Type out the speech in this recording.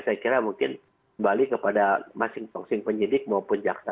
saya kira mungkin kembali kepada masing masing penyidik maupun jaksa